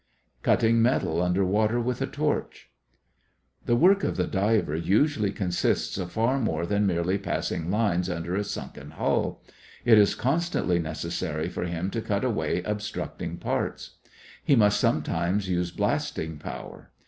CUTTING METAL UNDER WATER WITH A TORCH The work of the diver usually consists of far more than merely passing lines under a sunken hull. It is constantly necessary for him to cut away obstructing parts. He must sometimes use blasting power.